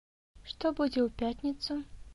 Што будзе ў пятніцу?